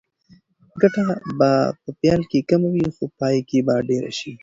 ګټه به په پیل کې کمه وي خو په پای کې به ډېره شي.